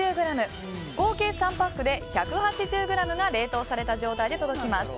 合計３パックで１８０ｇが冷凍された状態で届きます。